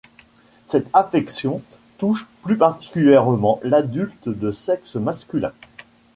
Cette affection touche plus particulièrement l'adulte de sexe masculin.